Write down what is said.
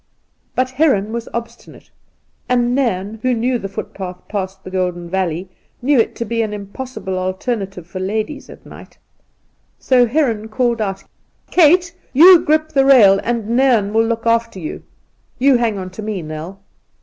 But Heron was obstinate, and Nairn, who knew the footpath past the Golden Valley, knew it to be an impossible alternative for ladies, at night ; so Heron called out :' Kate, you grip the rail, and Nairn will look aflier you ! You hang on to me, Nell!'